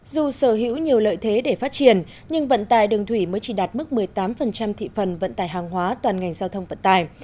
dù sở hữu nhiều lợi thế để phát triển nhưng vận tài đường thủy mới chỉ đạt mức một mươi tám thị phần vận tải hàng hóa toàn ngành giao thông vận tải